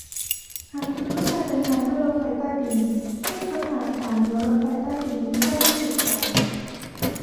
หากคุณต้องการเดินทางด้วยรถไฟใต้ดินให้ค้นหาสถานีรถไฟใต้ดินที่ใกล้ที่สุดก่อน